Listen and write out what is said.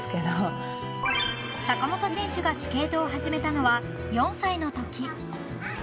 ［坂本選手がスケートを始めたのは４歳のとき］